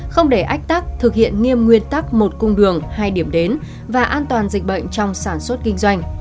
không để ách tắc thực hiện nghiêm nguyên tắc một cung đường hai điểm đến và an toàn dịch bệnh trong sản xuất kinh doanh